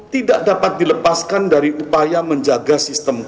tidak dapat dilepaskan dari upaya menjaga sistem keuangan